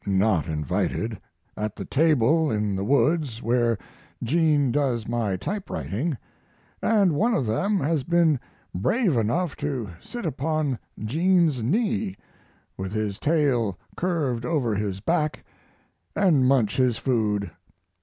(not invited) at the table in the woods where Jean does my typewriting, & one of them has been brave enough to sit upon Jean's knee with his tail curved over his back & munch his food.